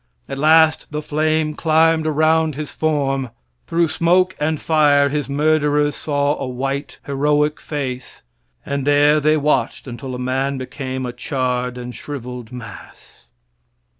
At last the flame climbed around his form; through smoke and fire his murderers saw a white, heroic face. And there they watched until a man became a charred and shriveled mass.